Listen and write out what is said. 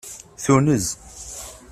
Tunez.